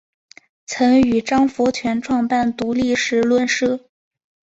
曾与张佛泉创办独立时论社。